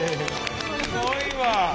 すごいわ。